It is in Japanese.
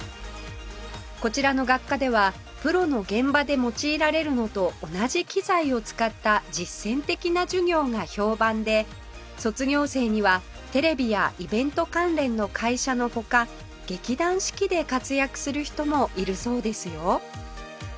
こちらの学科ではプロの現場で用いられるのと同じ機材を使った実践的な授業が評判で卒業生にはテレビやイベント関連の会社の他劇団四季で活躍する人もいるそうですよ